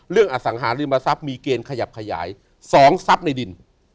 อสังหาริมทรัพย์มีเกณฑ์ขยับขยาย๒ทรัพย์ในดิน